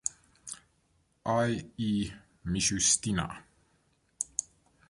I. E. Mishustina.